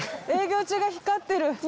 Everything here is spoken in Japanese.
営業中が光ってる。